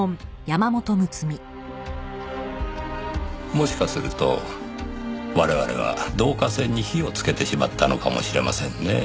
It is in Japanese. もしかすると我々は導火線に火をつけてしまったのかもしれませんねぇ。